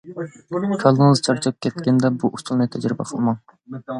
كاللىڭىز چارچاپ كەتكەندە بۇ ئۇسۇلنى تەجرىبە قىلماڭ.